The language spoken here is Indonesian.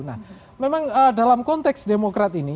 nah memang dalam konteks demokrat ini